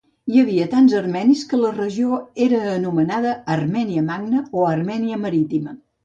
Hi havia tants armenis que la regió era anomenada Armènia Magna o Armènia Marítima.